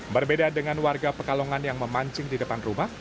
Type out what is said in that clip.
berbeda dengan warga pekalongan yang memancing di depan rumah